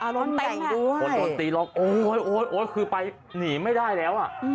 คนโตมตีรองโอ้โฮโอ้คือไปหนีไม่ได้แล้วว่ะ